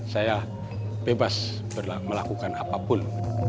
saya bebas melakukan apapun